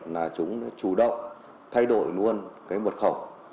là chúng chủ động thay đổi luôn mật khẩu